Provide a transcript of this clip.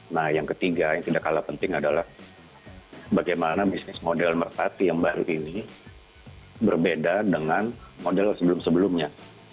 nah yang ketiga yang tidak kalah penting adalah bagaimana bisnis model merpati yang baru ini berbeda dengan model sebelum sebelumnya